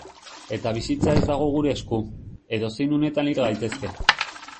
Eta bizitza ez dago gure esku, edozein unetan hil gaitezke.